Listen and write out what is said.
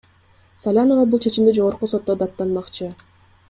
Салянова бул чечимди Жогорку сотто даттанмакчы.